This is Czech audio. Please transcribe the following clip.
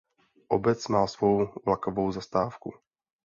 Obec má svou vlakovou zastávku.